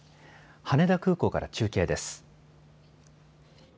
羽田空港から中継です。